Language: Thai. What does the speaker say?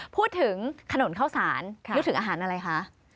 พูดถึงขนมข้าวสารนึกถึงอาหารอะไรคะ